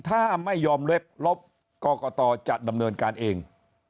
ถ้าไม่ยอมเล็บลบกรกตจะดำเนินการเอง